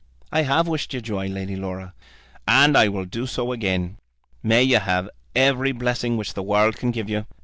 "I have wished you joy, Lady Laura. And I will do so again. May you have every blessing which the world can give you.